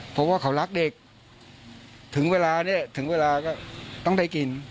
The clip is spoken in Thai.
เพราะว่าเขารักเด็กถึงเวลาเนี่ยถึงเวลาก็ต้องได้กิน